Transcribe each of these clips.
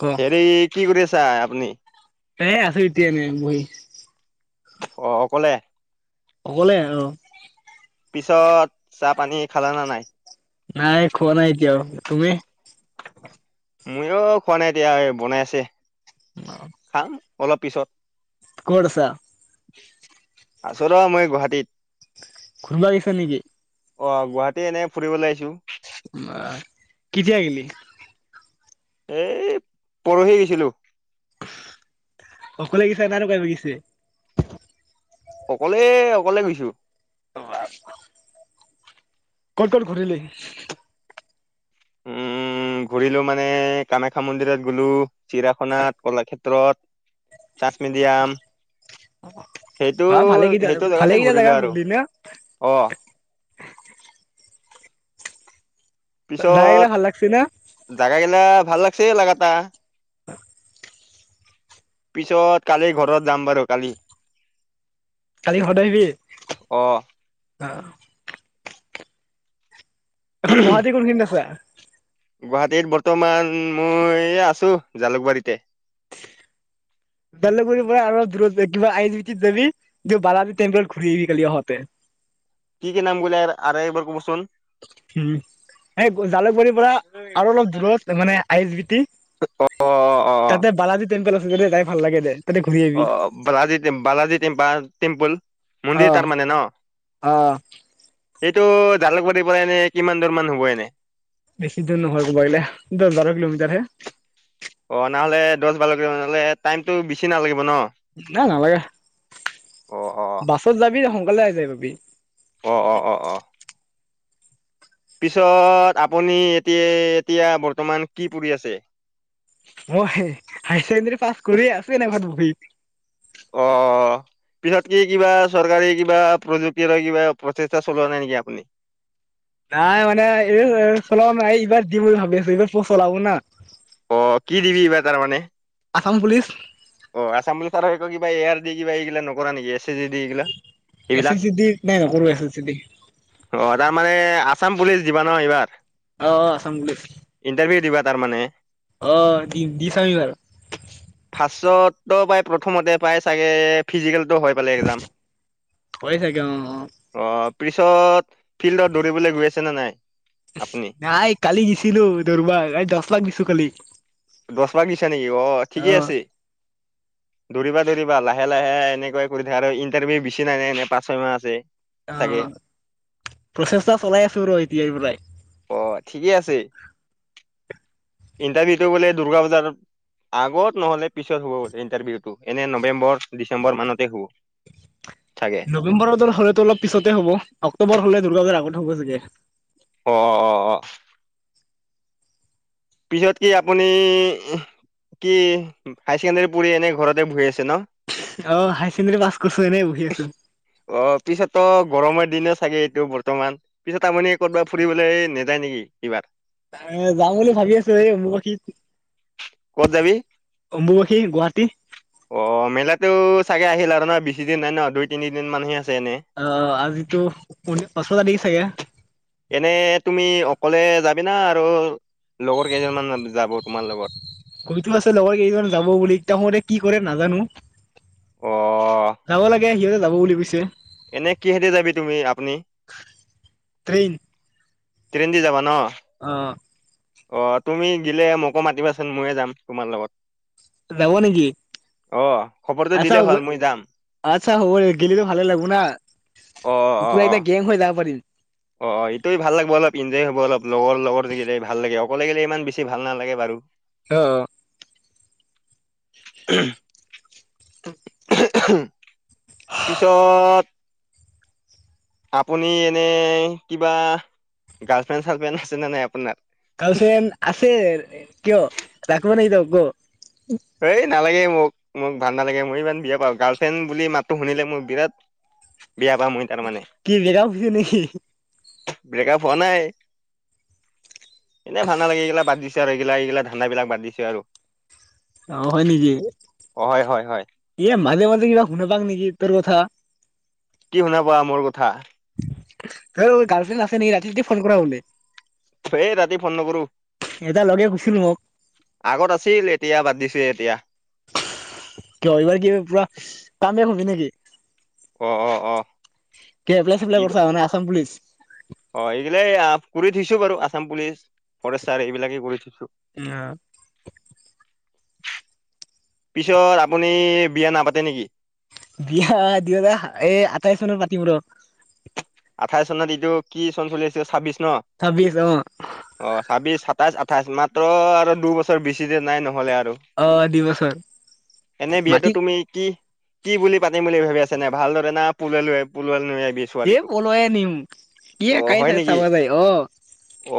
ক হেৰি কি কৰি আছ চাই আপুনি? এ আছো এতিয়া এনে বহি। অ' অকলে? অকলে অ'। পিছত চাহ পানী খালা না নাই? নাই খোৱা নাই এতিয়াও, তুমি? ময়ো খোৱা নাই দিয়া এ বনাই আছে। খাম। অলপ পিছত। ক'ত আছা? আছো ৰ মই গুৱাহাটীত। ঘুৰবা গেছা নেকি? অ' গুৱাহাটী এনেই ফুৰিবলৈ আহিছো। বা কিতিয়া গেলি? এ পৰহি আছিলো। অকলে গেছা না আৰু কোনোবা গেছে। অকলে, অকলে গৈছো। ক'ত ক'ত ঘূৰিলি? উম ঘূৰিলো মানে কামাখ্যা মন্দিৰত গ'লো, চিৰাখনাত, কলাক্ষেত্ৰত, চাচ মিডিয়াম। সেইটো, বা ভালে কেইটা হেটো ভালে জেগাতে কেইটা জেগা ঘূৰিলো আৰু ঘূৰিলি না অ'। জেগাগিলা পিছত ভাল লাগছি না জাগাগিলা ভাল লাগছি লাগাটা। পিছত কালি ঘৰত যাম বাৰু কালি। কালি ঘত আহিবি? অ অ'। এখন গুৱাহাটী কোনখিনিত আছে? গুৱাহাটীত বৰ্তমান মই আছো জালুকবাৰীতে। জালুকবাৰী পৰা আৰু দূৰত কিবা আইচ বি টিত যাবি বালাজি টেম্পেল ঘূৰি আহিবি কালি আহতে। কি কি নাম ক'লে আৰু একবাৰ ক'বচোন। উম এ জালুকবাৰীৰ পৰা আৰু অলপ দূৰত মানে আই এচ বি টি অ অ অ তাতে বালাজী টেম্পল [unintelligible] যাই ভাল লাগে দে। তাতে ঘূৰি আহিবি অ' বালাজী টেম-বালাজী-টেম-বা টেম্পুল, মন্দিৰ অ তাৰমানে ন? বেছি এ টো জালুকবাৰী পৰা এনে কিমান দূৰ মান হ'ব এনে? বেছি দূৰ নহয় গৈলে, দহ-বাৰ কিলোমিটাৰ হে। অ' নহ'লে দহ বাৰ কিলোমিটাৰ হ'লে টাইমতটো বেছি নালাগিব ন? নাই নালাগে। অ অ বাছত যাবি আহু অকলে যাই পাবি। অ - অ -অ -অ পিছত আপুনি এতিয়ে এতিয়া বৰ্তমান কি পঢ়ি আছে? মই হাই ছেকেণ্ডেৰী পাছ কৰিয়ে আছোঁ এনে ঘৰত বহি। অ পিছত কি কিবা চৰকাৰী কিবা প্ৰযুক্তি আৰু কিবা প্ৰচেষ্টা চলোৱা নাই নেকি আপুনি? নাই মানে, এইবাৰ চলোৱা নাই এইবাৰ দিম বুলি ভাবি আছোঁ এইবাৰ পোষ্ট ওলাব না। অ' কি দিবি এইবাৰ তাৰমানে আসাম পুলিচ অ' আছাম পুলিচ আৰু কিবা এ আৰ দি কিবা এইগিলা নকৰা নেকি এছ চি জি দি এইগিলা এছ এছ চি এইবিলাক জি দি নাই নকৰোঁ S S C G D মানে আছাম পুলিচ দিবা ন এইবাৰ। অ 'আসাম পুলিচ ইণ্টাৰভিউ দিবা তাৰমানে অ' দি- দি চাবি এইবাৰ। তো বাই প্ৰথমতে পায় ছাগে ফিজিকেল তো হৈ পালে একজাম। হয় চাগে অ অ পিছত ফিল্ডত দৌৰিবলৈ গৈ আছে নে নাই? আপুনি নাই কালি গৈ ছিলোঁ দৌৰাবা, এই দহ পাক দিছোঁ কালি। দহ পাক দিছা নেকি? অ' ঠিকেই আছে। দৌৰিবা -দৌৰিবা লাহে- লাহে এনেকুৱাই কৰি থাক আৰু ইণ্টাৰভিউ বেছি নাই এনে এনে পাঁচ, ছয় মাহ আছে। চাগে অ' প্ৰচেষ্টা চলাই ৰ এতিয়াৰ পৰাই। অ' ঠিকে আছে। ইণ্টাৰভিউটো বোলে দূৰ্গা পূজাৰ আগত নহ'লে পিছত হ'ব বোলে ইণ্টাৰভিউটো। এনে নৱেম্বৰ ডিচেম্বৰ মানতে হ'ব। চাগে নৱেম্বৰত তোৰ হ'লেটো অলপ পিছতে হ'ব, অক্টোবৰ হ'লে দূৰ্গা পুজাৰ আগত হ'ব চাগে। অ', অ', অ', অ'। পিছত কি আপুনি কি হাই ছেকেণ্ডৰী পঢ়ি এনে ঘৰতে বহি আছে ন'? অ', হাই ছেকেণ্ডৰী পাছ কৰিছোঁ, এনেই বহি আছোঁ। অ পিছতো গৰমৰ দিনে ছাগে এইটো বৰ্তমান পিছত আপুনি কৰ'বাত ফুৰিবলৈ নাযায় নেকি কিবাত? হেৰ যাম বুলি ভাবি আছোঁ, এই অম্বুবাচী, ক'ত যাবি অম্বুবাচী গুৱাহাটী। ছাগে আহিল আৰু ন' বেছি দিন নাই ন' দুই, তিনিদিন মান হে আ অ', আজিটো [unintelligible] চাগে এনে তুমি অকলে যাবি না আৰু লগৰ কেইজনমানে যাব তোমাৰ লগত? কৈ তো আছে লগৰ কেইজন যাব বুলি, [unintelligible] কি কৰে নাজানোঁ। অ যাব লাগে সিহ যাব বুলি কৈছে। এনে কিহেদি যাবি তুমি, আপুনি? ট্ৰেন দি যাবা ন'? অহ। অহ, তুমি গিলে মোকো মাতিবাচোন, ময়ো যাম তোমাৰ লগত। যাব নেকি? অ খবৰটো আচ্ছা দিলে হ'ব, হ'ল মই যাম আচ্ছা হ'ব দে, গিলেটো ভালে লাগিব না, পুৰা একটা গেং হৈ যাব পাৰিম। অহ, অহ, এইটোয়ে ভাল লাগিব অলপ, এনজয় হ'ব অলপ। লগৰ, লগৰ থাকিলে ভাল লাগে আ ক'লে গেলে ইমান বেছি ভাল নালাগে বাৰু। অহ। [unintelligible] পিছত আপুনি এনে কিবা, গাৰ্লফ্ৰেণ্ড-চালফ্ৰেণ্ড আছেনে নাই আপোনাৰ? গাৰ্লফ্ৰেণ্ড আছে। কিয়, লাগিব নেকি তোক? [unintelligible] এই নালাগে মোক-মোক ভাল নালাগে। [unintelligible] গাৰ্লফ্ৰেণ্ড বুলি মাতটো শুনিলে মই বিৰাট বেয়া পাওঁ মই তাৰমানে কি, ব্ৰেকআপ হৈছে নেকি? ব্ৰেকআপ হোৱা নাই। এনেই ভাল নালাগে এইগিলা বাদ দিছোঁ আৰু। ‌ এইগিলা এইগিলা ধান্দা বিলাক বাদ দিছোঁ আৰু। অ', হয় নেকি। অ হয় হয় হয় এই মাজে মাজে কিবা শুনা পাওঁং নেকি। তোৰ কথা কি শুনা পোৱা, মোৰ কথা? হৌ, গাৰ্লফ্ৰেণ্ড আছে নেকি, ৰাতি ৰাতি ফোন কৰা বোলে? এ ৰাতি ফোন নকৰোঁ। এটা লগে কৈছিল মোক আগত আছিল এতিয়া বাদ দিছোঁ এ- এতিয়া। কিয় এইবাৰ কি পুৰা, কামিয়াব হবি নেকি? অঁ অঁ অঁ। কি এপ্লাই-চেপ্লাই কৰিছা মানে আছাম পুলিচ। অ' এইগিলাই, আ কৰি থৈছোঁ বাৰু, আছাম পুলিচ। ফৰেষ্টাৰ, এইবিলাকেই কৰি থৈছোঁ। পিছত আপুনি বিয়া নাপাতে নেকি? বিয়া দুহেজাৰ এ আঠাইশ চনত পাতিম ৰহ। আঠাইশ চনত এইটো, কি চন চলি আছে, ছাব্বিশ- ন? ছাব্বিশ অ অহ, ছাব্বিশ চাট- সাটাইছ, আঠাইছ। মাত্ৰ আৰু দুবছৰ, বেছি দিন নাই নহ'লে আ- আৰু। অ দুই বছৰ এনে বিয়াতটো মাটিত তুমি কি, কি বুলি পাতিম বুলি ভাবি আছা যেনে ভালদৰে না পলুৱাই লৈ ছোৱালি তোক - নিম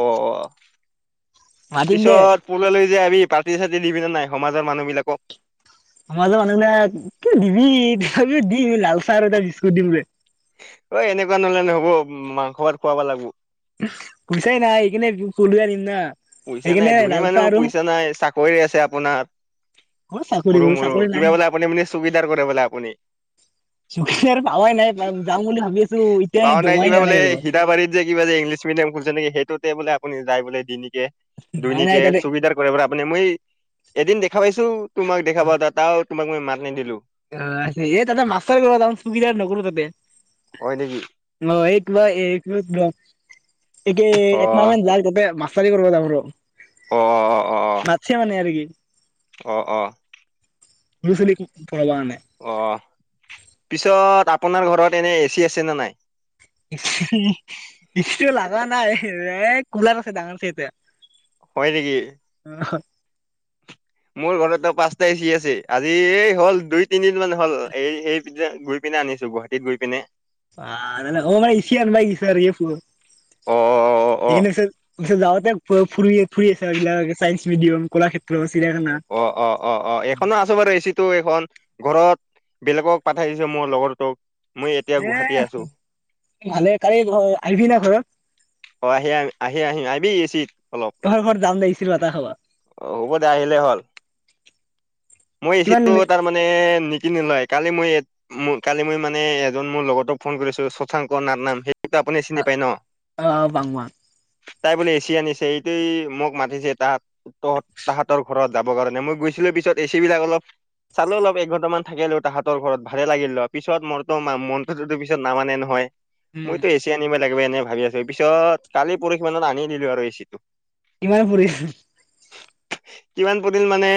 অ অ পিছত পলুৱাই লৈ লৈ আনি পাৰ্টি চাৰ্টি দিবিনে নাই সমাজৰ মানুহ বিলাকক? সমাজৰ মানুহবিলাক কি দিবি লাল চাহ এটা বিস্কুট দিম দে অঁ এনেকুৱা নহলে নহব মাংস ভাত খুৱাবা লাগবো। পইচাই নাই সেই কাৰনে পলুৱাই আনিম না পইচা নাই সেইকাৰণে ধুনী লাল চাহ মানুহ আৰু পইচা নাই চাকৰি আছে আপোনাৰ অ চাকৰি সৰু বোলো মৰো চাকৰি নাই কিবা বোলে চকীদাৰ কৰে বোলে আপুনি। চাকৰি আৰু পাৱাই নাই যাম বুলি ভাবি আছো এতিয়াই পাৱ নাই দমাই কিবা দিয়া বোলে ঘৰত সিথাবাৰীত যে কিবা যে ইংলিছ মিডিয়াম খুলিছে নে কি সেইটোতে বোলে আপুনি যায় বোলে নাই নাই দৈনিকে তাতে চুকিদাৰ কৰে পৰা আপুনি মই এদিন দেখা পাইছো তোমাক দেখা পা এ তাত তোমাক মই মাত নিদিলো অ এ তাতে মাষ্টৰ [unintelligible] চকীদাৰ নকৰো তাতে হয় নেকি অ এই কিবা এই [unintelligible] একে অ একমাহান যায় তাতে মা অ অ অ [unintelligible] [unintelligible] মানে আৰু কি অ', অ'। মচলি অ' পিছত আ আপোনাৰ ঘৰত এনে এ চি আছে নে নাই? ইটো লাগা নাই এ, কলাৰ আছে ডাঙৰ চ' এতিয়া। হয় নেকি? [unintelligible] মোৰ ঘৰতে ত' পাঁচটা এ চি আছে। আজি এই হ'ল দুই তিনিদিন মান হ'ল এই সেই গৈ পিনে আনিছোঁ গুৱাহাটীত গৈ পিনে। আ, ন' অ' মেছ আনাইছ অ অ অ এইখ যওঁতে ফুৰিৰ ফুৰি আছ এইবিলাক ছাইন্স মিডিয়াম, কলাক্ষেত্ৰত। অ', অ', অ', অ' এইখনো আছোঁ বাৰু এচি টো এইখন ঘৰত বেলেগক পঠাই দিছে, মোৰ লগৰটোক। মই এতিয়া এ, গুৱাহাটী আছো ভালে, কালি আহিবি না ঘৰত? অ, আহি আহ আহি আহিম আহিবি। এচিত অলপ তহঁতৰ ঘৰত যাম দে ইস্ত্ৰি বাটা খাবা অ হ'ব দে আহিলে হ'ল মই কিমান এচিটো ললি তাৰমানে নিকিনিলয় কালি মই কালি মই মানে এজন মোৰ লগতক ফোন কৰিছো শশাংক নাট নাম হেইটো আপুনি চিনি পায় ন'? অ' বাংমা তাই বোলে এছি আনিছে। সেইটোয় মোক মাতিছে তাহ তহ তাহতৰ ঘৰত যাব কাৰণে মই গৈছিলো পিছত এচি বিলাক অলপ চালো অলপ এঘন্ট মান থাকিলেও তাত তাহাঁতৰ ঘৰত যাব কাৰনে, মই গৈছিলোঁ পিছত এচিবিলাক অলপ চালোঁ অলপ এঘণ্টামান থাকিলোঁ তাহাঁতৰ ঘৰত, ভালে লাগিল দিয়া পিছত মোৰতো মনটোতো পিছত নামানে নহয়। উম মইতো এছি আনিব লাগিব এনে ভাবি আছো তাৰ পিছত কালি পৰশিমানত আনি দিলো আৰু এচি টো কিমান পৰিছে কিমান পৰিল মানে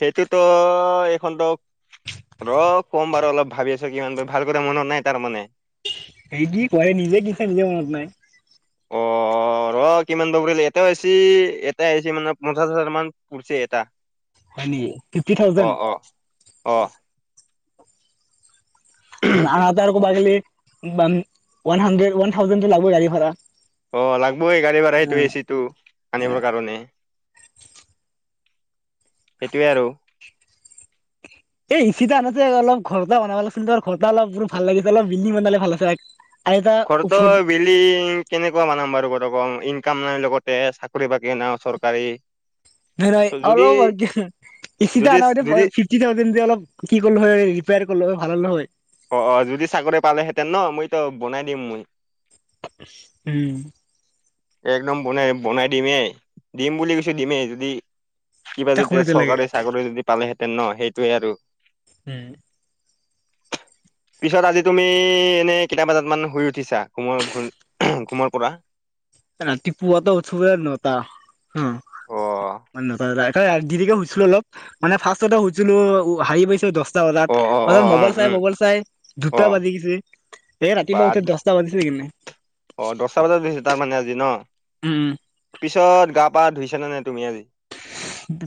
সেইটোতো এইখন তোক ৰ কম বাৰু অলপ ভাবি আছো কিমান ভাল কৰি মনত নাই তাৰ মানে এই কি কৰে নিজে কিনিছে নিজে মনত নাই অ' ৰ কিমান পা পৰিল এটা এচি এটা এচি মানে পঞ্চাশ হাজাৰ মান পৰিছে এটা হয় নেকি ফিফটি অ থাউজেণ্ড অ অ আনাটো আকৌ বাঢ়িলেই ওৱান হাণ্ড্ৰেড ওৱান থাউজেণ্ড লাগিব গাড়ী ভাড়া অঁ লাগিব লাগিবই গাড়ী ভাড়া সেইটো এচি টো আনিবৰ কাৰণে সেইটোৱে আৰু এই ইচিতা অনাতকে অলপ ঘৰতটা বনাব লাগিছিল ঘৰটা অলপ ভাল লাগি পেলাই বিল্ডিং বনালে ভাল আছিল এক ঘৰটো বেল্ডিং কেনেকা কেনেকা বনাম বাৰু ত কছোন ইনকাম নাই লগতে চাকৰি বাকৰি নাই চৰকাৰী [unintelligible] যদি যদি আনাতে যদি ফিফটি থাউজেণ্ড যে অলপ কি কৰিলো হয় [unintelligible] অ', অ', যদি চাকৰি পালেহেঁতেন ন', মইতো বনাই দিম মই। উম। একদম বনাই, বনাই দিমেই। দিম বুলি কৈছো দিমেই যদি কিবা তাক যদি কৰিতে লাগে চৰকাৰী চাকৰি যদি পালেহে ন, সেইটোয়ে আৰু হম'। পিছত আজি তুমি এনে কেইটা বজাত মান শুই উঠিছা? কোমৰ ঘ ঘুমৰ পৰা? ৰাতিপুৱাটো উছো অ নটা। হম, অ নটাকে শুইছিলো অলপ মানে ফাৰ্ষ্টতেুইছিলো হাৰি পাইছো দহটা অ অ তাতত, অ অ মোবাইল চাই, উম মবাইল চাই, অ দুটা বাজি গৈছে। এ, বা ৰাতিপুৱা উঠোঁতে দহটা বাজিছে কিনে অ দহটা বজাত উঠিছে তাৰমানে আজি ন উম পিছত গা-পা ধুইছ নাই তুমি আজি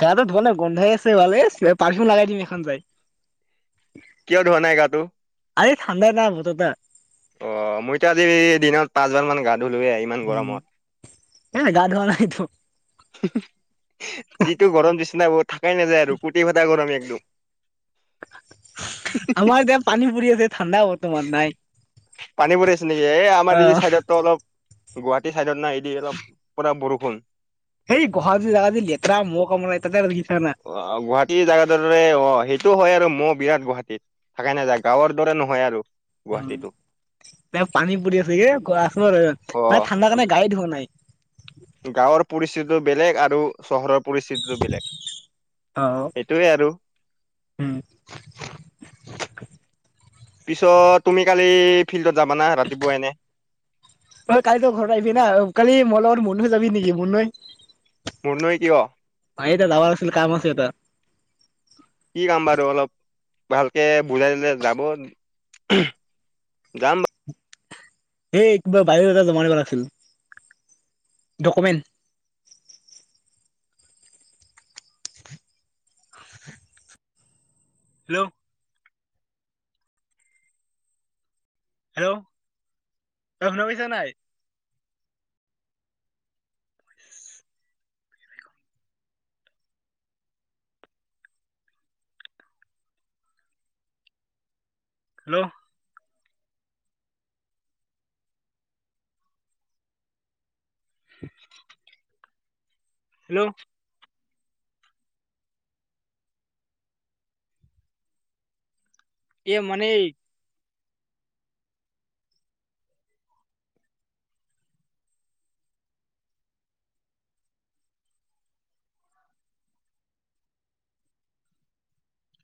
গাটো ধুব লে গন্ধই আছে ভালে পফিউম লাই দিম এখন যাই কিয় ধৰাণাই গাটো। আৰে ঠাণ্ডা না বতৰটা আহ, মইতো আজি দিনত পাঁচ বান মান গা ধুলোৱে ইমান উম। গৰমত এ, গাধুৱা নাই তো যিটো গৰম দিছেনা থাকাই নাযায় আৰু কুটি ফটা গৰম একদম। আমাৰ এতিয়া পানী পৰি আছে ঠাণ্ডা বৰ্তমান নাই পানী পৰি আছে নেকি এ। অ আমাৰ এই যে চাইডতো অলপ গুৱাহাটী চাইডত নাই দি অলপ পৰা বৰষুন হুন। [inaudible] অ' গুৱাহাটী জাগা দৰে অ' সেইটো হয় আৰু মহ বিৰাট গুৱাহাটীত, থাকা নাযায়, গাঁৱৰ দৰে নহয় আৰু। উম, গুৱাহাটীটো তেওঁ পানী পৰি আছে এ, অ [unintelligible] ঠাণ্ডা কাৰণে গায়ে ধূৱা নাই। গাঁৱৰ পৰিস্থিতি বেলেগ আৰু চহৰৰ পৰিস্থিতিটো বেলেগ, অ সেইটোৱে আৰু। উম পিছত, তুমি কালি ফিল্ডত যাবা না ৰাতিপুৱা এনে তই কাইলৈ ঘৰত আহিবি না, কালি মৰ লগত মৰ যাবি নেকি ম'ৰনৈ? মোৰ নৈ কিয় [inaudible] কেটা? [unintelligible] বাৰু অলপ ভালকে বুজাই দিলে যাব, যাম বাৰু। হেই কিবা বায়'দাতা জমা দিব লাগছিল, ডকুমেণ্ট। [inaudible] হেল্ল', অ' শুনা পাইছ নাই? হেল্ল'? [inaudible] হেল্ল'? এ, মানে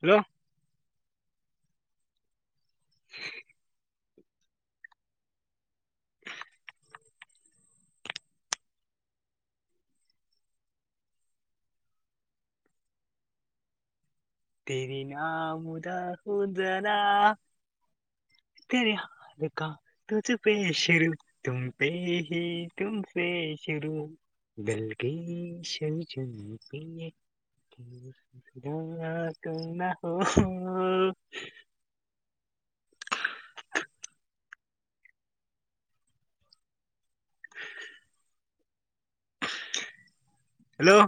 হেল্ল'? [unintelligible] তুম না হ' [inaudible] হেল্ল'?